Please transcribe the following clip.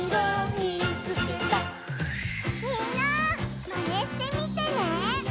みんなマネしてみてね！